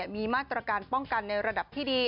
มีมาตรการป้องกันในระดับที่ดี